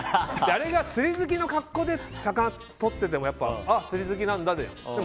あれが釣り好きの格好で魚をとっててもあ、釣り好きなんだで。